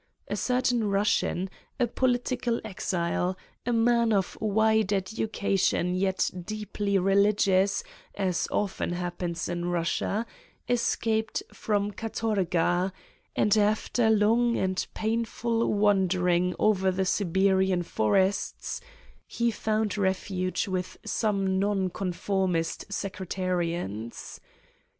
A certain Eussian, a political exile, a man of wide education yet deeply religious, as often happens in Russia, es caped from katorga, and after long and painful wandering over the Siberian forests, he found 153 Satan's Diary refuge with some non conformist sectarians.